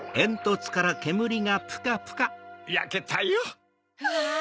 やけたよ。わ！